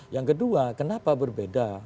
yang kedua kenapa berbeda